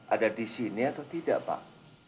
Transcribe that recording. ada disini atau tidak pak